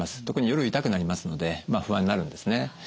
特に夜痛くなりますので不安になるんですね。